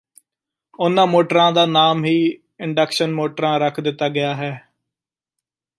ਉਨ੍ਹਾਂ ਮੋਟਰਾਂ ਦਾ ਨਾਮ ਹੀ ਇੰਡਕਸ਼ਨ ਮੋਟਰਾਂ ਰਖ ਦਿਤਾ ਗਿਆ ਹੈ